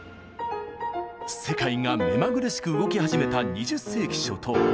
世界が目まぐるしく動き始めた２０世紀初頭。